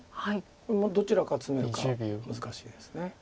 これもどちらからツメるか難しいです。